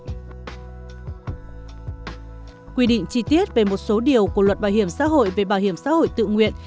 quy định chi tiết về một số điều của luật bảo hiểm xã hội về bảo hiểm xã hội tự nguyện